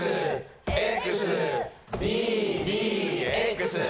Ｘ！